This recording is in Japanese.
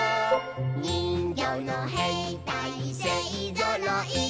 「にんぎょうのへいたいせいぞろい」